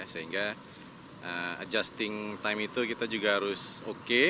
sehingga adjusting time itu kita juga harus oke